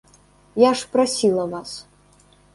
Я ж прасіла вас.